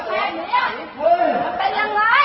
เฮ้ยเฮ้ย